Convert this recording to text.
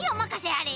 あれ。